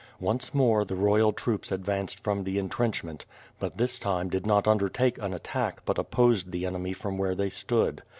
Once more, the royal troops advanced from the entrenchment, but this time did not undertake an attack but opposed the enemy from where they stood.